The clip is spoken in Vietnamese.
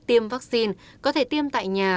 tiêm vaccine có thể tiêm tại nhà